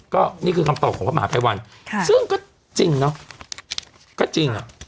ก็นี่คือคำตอบของพระมหาภัยวันค่ะซึ่งก็จริงเนอะก็จริงอ่ะ